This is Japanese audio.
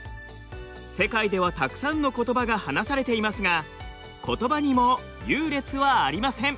世界ではたくさんのことばが話されていますがことばにも優劣はありません。